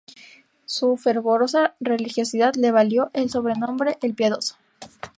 Su fervorosa religiosidad le valió el sobrenombre "el Piadoso".